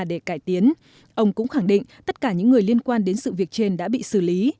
để cải tiến ông cũng khẳng định tất cả những người liên quan đến sự việc trên đã bị xử lý